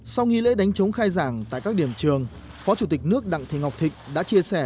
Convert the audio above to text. sau nghi lễ đánh chống khai giảng tại các điểm trường phó chủ tịch nước đặng thị ngọc thịnh đã chia sẻ